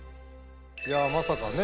いやまさかね